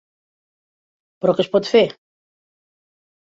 Però què es pot fer?